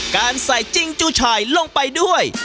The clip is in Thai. การใส่จิ้งจูชายลงไปด้วย